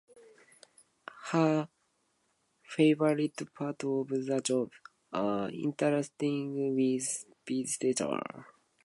Her favorite parts of the job are interacting with visitors and being with animals.